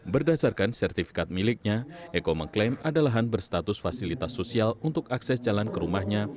berdasarkan sertifikat miliknya eko mengklaim ada lahan berstatus fasilitas sosial untuk akses jalan ke rumahnya